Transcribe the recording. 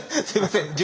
すいません！